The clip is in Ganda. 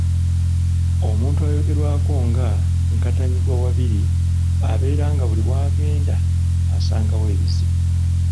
Omuntu ayogerwako nga Nkatannyigwawabiri abeera nga buli w’agenda asangawo ebizibu.